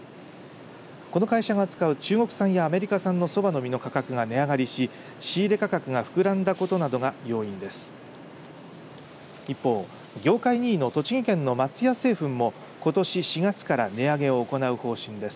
この会社が扱う中国産やアメリカ産のそばの実の価格が値上がりし仕入れ価格が膨らんだことなどが要因です。